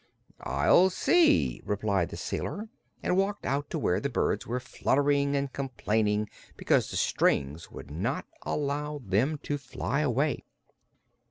"I'll see," replied the sailor, and walked out to where the birds were fluttering and complaining because the strings would not allow them to fly away.